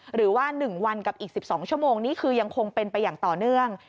หรือว่า๑วันกับอีก๑๒ชั่วโมงนี้คือยังคงเป็นไปอย่างต่อเนื่อง